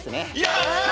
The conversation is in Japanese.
やった！